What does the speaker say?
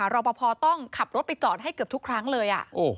รอปภต้องขับรถไปจอดให้เกือบทุกครั้งเลย